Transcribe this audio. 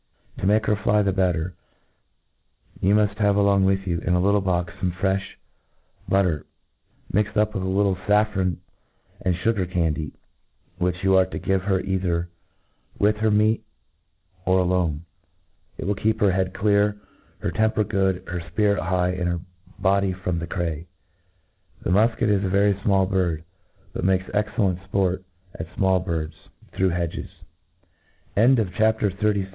To make her fly the better, you muft have along with you, in a little box, fome frefh but ter, mixed up with a little faffron and fugar can dy, which you arc to give her either with her meat, _or alone. It will keep her head clear, her temper good, her fpirit high, and her body from the cray. The mulket is a very fmall bird ;< but makes excellent fport at fmalTbirds through hedges.